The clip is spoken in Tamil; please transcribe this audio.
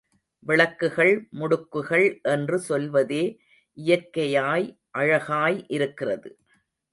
விளக்குகள் முடுக்குகள் என்று சொல்வதே இயற்கையாய் அழகாய் இருக்கிறது.